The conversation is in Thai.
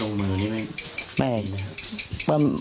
กระดิ่งเสียงเรียกว่าเด็กน้อยจุดประดิ่ง